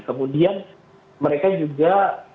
kemudian mereka juga